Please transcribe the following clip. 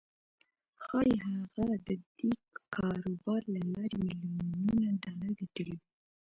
ښايي هغه د دې کاروبار له لارې ميليونونه ډالر ګټلي وي.